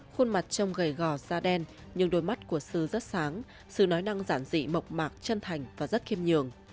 khuôn mặt trong gầy gò da đen nhưng đôi mắt của sư rất sáng sự nói năng giản dị mộc mạc chân thành và rất khiêm nhường